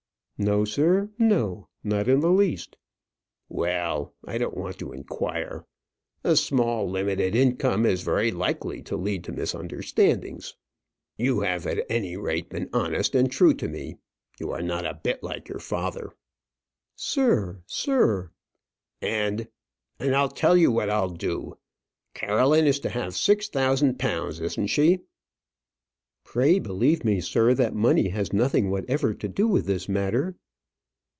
"No, sir, no; not in the least." "Well, I don't want to inquire. A small limited income is very likely to lead to misunderstandings. You have at any rate been honest and true to me. You are not a bit like your father." "Sir! sir!" "And, and I'll tell you what I'll do. Caroline is to have six thousand pounds, isn't she?" "Pray believe me, sir, that money has nothing whatever to do with this matter."